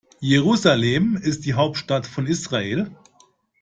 Jerusalem ist die Hauptstadt von Israel.